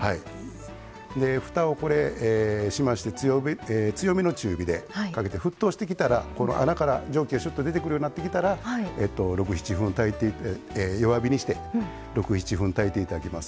ふたをしまして強めの中火でかけていただいて沸騰してきたら穴から蒸気が出てくるようになってきたら６７分、弱火にして炊いていただきます。